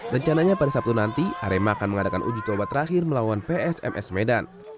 rencananya pada sabtu nanti arema akan mengadakan uji coba terakhir melawan psms medan